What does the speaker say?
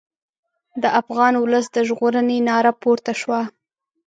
د افغان ولس د ژغورنې ناره پورته شوه.